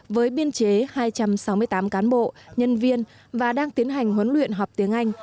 với biên chế hai trăm sáu mươi tám cán bộ nhân viên và đang tiến hành huấn luyện học tiếng anh